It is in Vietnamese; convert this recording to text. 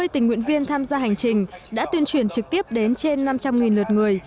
một trăm bốn mươi tình nguyện viên tham gia hành trình đã tuyên truyền trực tiếp đến trên năm trăm linh lượt người